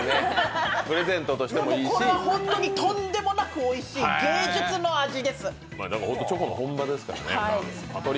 これは本当にとんでもなくおいしい、芸術の味です。